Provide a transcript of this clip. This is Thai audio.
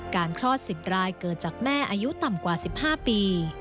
คลอด๑๐รายเกิดจากแม่อายุต่ำกว่า๑๕ปี